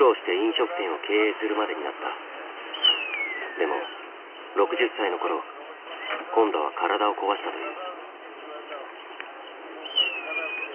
でも６０歳の頃今度は体を壊したという。